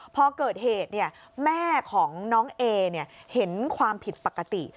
พอเกิดเหตุแม่ของน้องเอเห็นความผิดปกติ